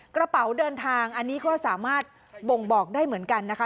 กระเป๋าเดินทางอันนี้ก็สามารถบ่งบอกได้เหมือนกันนะคะ